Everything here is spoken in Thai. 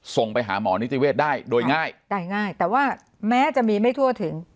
ส่งไปหาหมอนิติเวศได้โดยง่ายได้ง่ายแต่ว่าแม้จะมีไม่ทั่วถึง